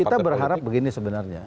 kita berharap begini sebenarnya